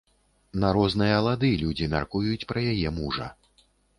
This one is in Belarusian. На розныя лады людзі мяркуюць пра яе мужа.